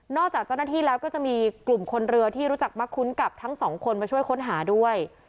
จากเจ้าหน้าที่แล้วก็จะมีกลุ่มคนเรือที่รู้จักมักคุ้นกับทั้งสองคนมาช่วยค้นหาด้วย